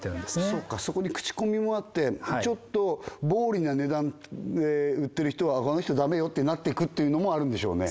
そうかそこに口コミもあってちょっと暴利な値段で売ってる人はこの人ダメよってなっていくっていうのもあるんでしょうね